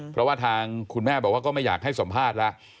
เพราะว่าทางคุณแม่บอกว่าก็ไม่อยากให้สัมภาษณ์แล้ว